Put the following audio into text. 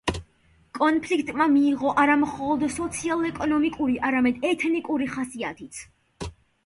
კონფლიქტმა მიიღო არა მხოლოდ სოციალ-ეკონომიკური, არამედ ეთნიკური ხასიათიც.